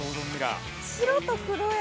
白と黒や。